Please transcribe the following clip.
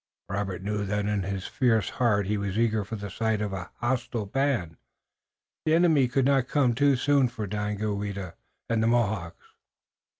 Robert knew that in his fierce heart he was eager for the sight of a hostile band. The enemy could not come too soon for Daganoweda and the Mohawks.